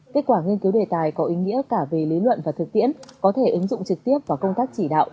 kết quả nghiên cứu đề tài có ý nghĩa cả về lý luận và thực tiễn có thể ứng dụng trực tiếp vào công tác chỉ đạo